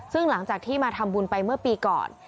ซึ่งหลังจากที่มาทำบุญไปเมื่อปีก่อน